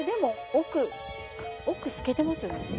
奥奥透けてますよね。